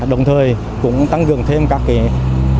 đồng thời cũng tăng cường thêm các khu cách ly